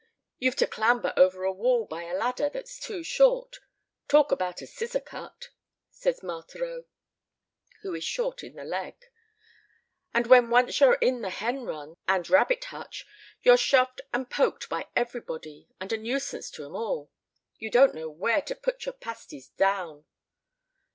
You've to clamber over a wall by a ladder that's too short talk about a scissor cut!" says Marthereau, who is short in the leg; "and when once you're in the hen run and rabbit hutch you're shoved and poked by everybody and a nuisance to 'em all. You don't know where to put your pasties down.